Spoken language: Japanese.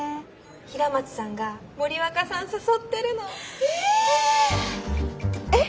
平松さんが森若さん誘ってるの。え！えっ？